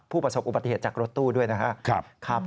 ประสบอุบัติเหตุจากรถตู้ด้วยนะครับ